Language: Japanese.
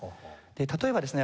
例えばですね